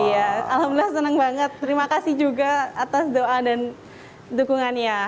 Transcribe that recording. iya alhamdulillah senang banget terima kasih juga atas doa dan dukungannya